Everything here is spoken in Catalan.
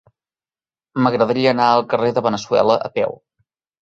M'agradaria anar al carrer de Veneçuela a peu.